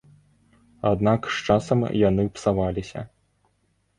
Аднак з часам яны псаваліся.